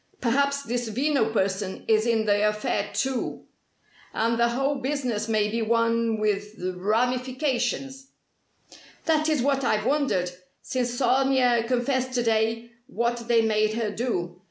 Perhaps this Veno person is in the affair, too. And the whole business may be one with ramifications." "That is what I've wondered since Sonia confessed to day what they made her do.